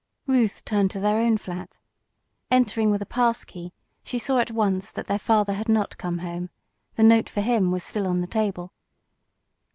Ruth turned to their own flat. Entering with a pass key she saw at a glance that their father had not come home. The note for him was still on the table.